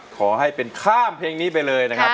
ขอให้เป็นข้ามเพลงนี้ไปเลยนะครับ